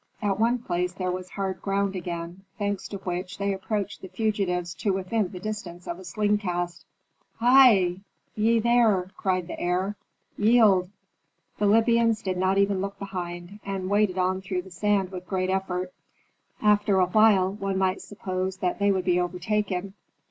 At one place there was hard ground again, thanks to which they approached the fugitives to within the distance of a sling cast. "Hei, ye there!" cried the heir, "yield." The Libyans did not even look behind, and waded on through the sand with great effort. After a while one might suppose that they would be overtaken.